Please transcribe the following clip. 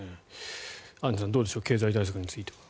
アンジュさんどうでしょう経済対策については。